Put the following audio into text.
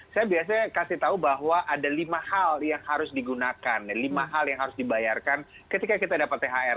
saya biasanya kasih tahu bahwa ada lima hal yang harus digunakan lima hal yang harus dibayarkan ketika kita dapat thr